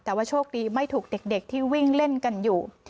แต่ว่าโชคดีไม่ถูกเด็กที่วิ่งเล่นกันอยู่